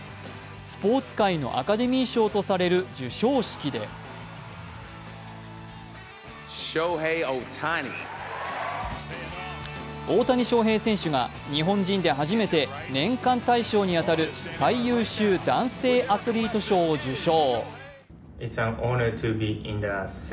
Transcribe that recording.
スポーツ界のアカデミー賞とされる授賞式で大谷翔平選手が日本人で初めて年間対象に当たる最優秀男性アスリート賞を受賞。